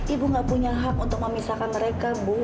ibu gak punya hak untuk memisahkan mereka bu